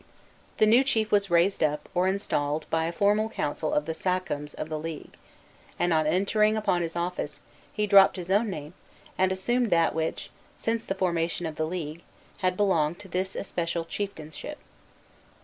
The new chief was "raised up," or installed, by a formal council of the sachems of the league; and on entering upon his office, he dropped his own name, and assumed that which, since the formation of the league, had belonged to this especial chieftainship.